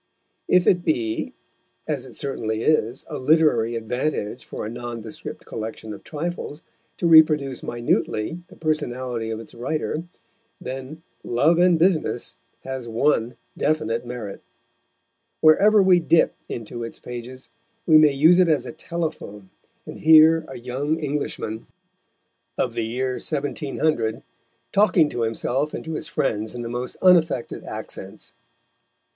If it be, as it certainly is, a literary advantage for a nondescript collection of trifles, to reproduce minutely the personality of its writer, then Love and Business has one definite merit. Wherever we dip into its pages we may use it as a telephone, and hear a young Englishman, of the year 1700, talking to himself and to his friends in the most unaffected accents.